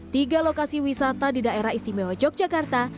tiga lokasi wisata di daerah istimewa yogyakarta